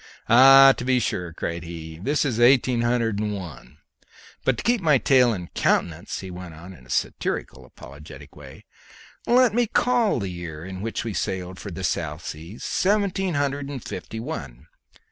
"Ah, to be sure!" cried he, "this is eighteen hundred and one; but to keep my tale in countenance," he went on in a satirical apologetic way, "let me call the year in which we sailed for the South Sea seventeen hundred and fifty one.